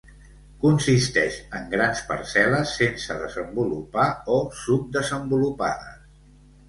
Consisteix en grans parcel·les sense desenvolupar o subdesenvolupades.